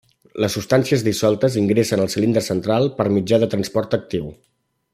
Les substàncies dissoltes ingressen al cilindre central per mitjà de transport actiu.